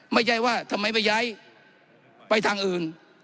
ไม่ใช่ว่าทำไมไปย้ายไปทางอื่น